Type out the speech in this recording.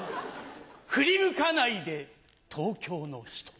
振り向かないで東京の人。